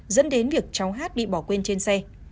dẫn đến việc cháu hát bị bỏ quên trên xe